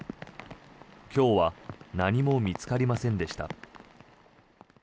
今日は何も見つかりませんでした。